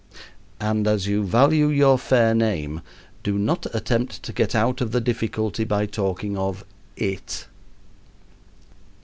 And as you value your fair name do not attempt to get out of the difficulty by talking of "it."